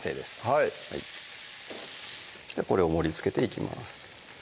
はいこれを盛りつけていきます